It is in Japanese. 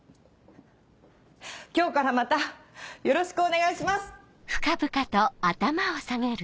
今日からまたよろしくお願いします！